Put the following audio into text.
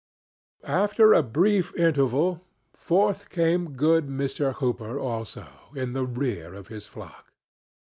After a brief interval forth came good Mr. Hooper also, in the rear of his flock.